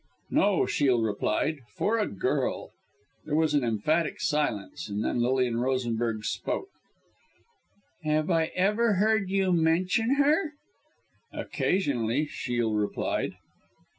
"No," Shiel replied, "for a girl!" There was an emphatic silence, and then Lilian Rosenberg spoke. "Have I ever heard you mention her?" "Occasionally," Shiel replied.